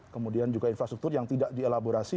kemudian juga infrastruktur yang tidak dielaborasi